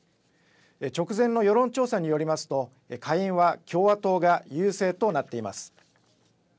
直前の世論調査によりますと下院は共和党が優勢となっています。